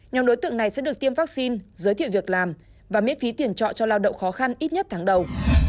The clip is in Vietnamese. nhóm đối tượng này sẽ được tiêm vaccine giới thiệu việc làm và miễn phí tiền trọ cho lao động khó khăn ít nhất tháng đầu